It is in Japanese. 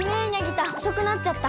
太おそくなっちゃった。